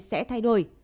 sẽ thay đổi